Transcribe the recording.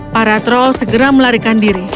para troll segera melarikan diri